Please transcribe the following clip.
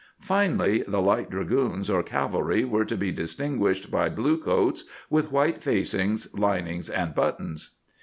Finally, the light dragoons or cavalry were to be distinguished by blue coats, with white facing, linings, and buttons.